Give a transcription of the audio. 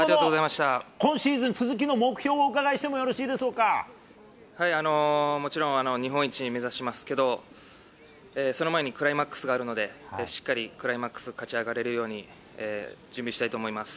今シーズン、続きの目標をおもちろん、日本一を目指しますけど、その前にクライマックスがあるので、しっかりクライマックス勝ち上がれるように、準備したいと思います。